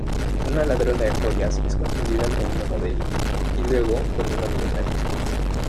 Una ladrona de joyas es confundida con una modelo y, luego, con una millonaria.